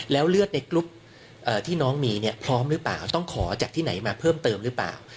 แล้วเลือดในกรุ๊ปที่น้องมีเนี่ยพร้อมหรือเปล่าต้องขอจากที่ไหนมาเพิ่มเติมหรือเปล่า